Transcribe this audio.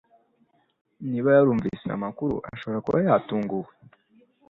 Niba yarumvise ayo makuru ashobora kuba yatunguwe